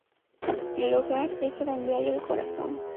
El hogar es adonde hay el corazón.